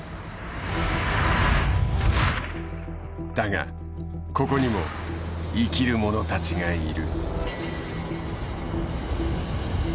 だがここにも生きるものたちがいる。